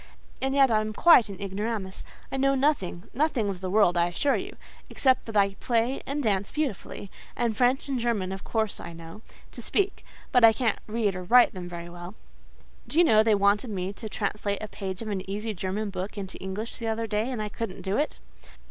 And yet I am quite an ignoramus. I know nothing—nothing in the world—I assure you; except that I play and dance beautifully,—and French and German of course I know, to speak; but I can't read or write them very well. Do you know they wanted me to translate a page of an easy German book into English the other day, and I couldn't do it.